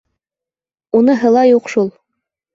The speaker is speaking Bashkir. Уныһы ла юҡ шул.